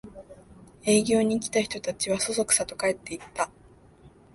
営業に来た人たちはそそくさと帰っていった